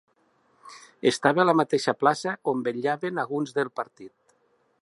Estava a la mateixa plaça on vetlaven alguns del partit.